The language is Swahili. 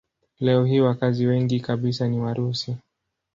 Leo hii wakazi wengi kabisa ni Warusi.